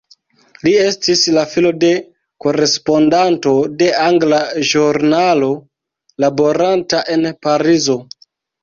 Li estis la filo de korespondanto de angla ĵurnalo laboranta en Parizo.